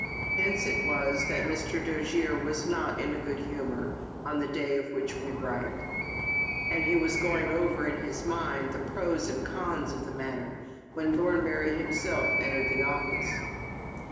Hence it was, that Mr. Dojere was not in a good humor, on the day of which we write; and he was going over, in his mind, the pros and cons of the matter, when Thornbury himself entered the office.